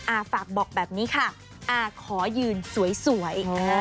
อาฝากบอกแบบนี้ค่ะอาขอยืนสวย